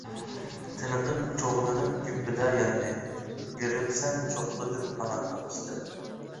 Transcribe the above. تىنىقىم چوغلىنىپ گۈپپىدە ياندى، گىرىمسەن چوققىدىن پاناھلىق ئىستەپ.